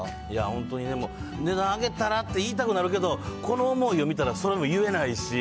本当にね、値段上げたら？って言いたくなるけど、この思いを見たら、それも言えないし。